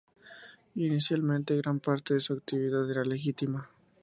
Inicialmente, gran parte de su actividad era legítima.